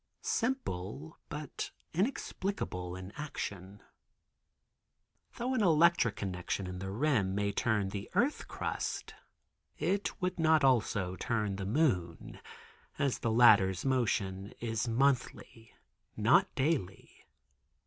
Simple but inexplicable in action. Though an electric connection in the rim may turn the earth crust it would not also turn the moon, as the latter's motion is monthly, not daily.